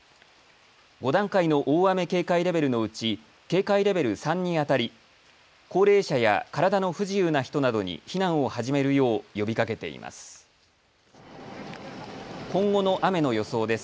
５段階の大雨警戒レベルのうち警戒レベル３にあたり高齢者や体の不自由な人などに避難を始めるよう呼びかけています。